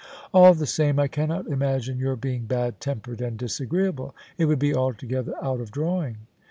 " All the same, I cannot imagine your being bad tempered and disagreeable. It would be altogether out of drawing."